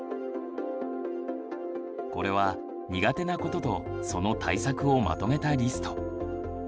これは苦手なこととその対策をまとめたリスト。